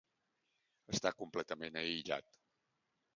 Està completament aïllat.